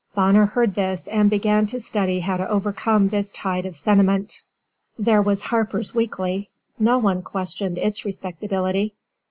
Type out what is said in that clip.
Bonner heard this and began to study how to overcome this tide of sentiment. There was Harpers Weekly no one questioned its respectability.